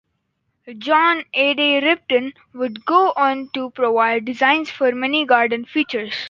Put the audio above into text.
John Adey Repton would go on to provide designs for many garden features.